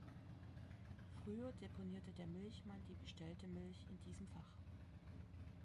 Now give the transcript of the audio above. Früher deponierte der Milchmann die bestellte Milch in diesem Fach.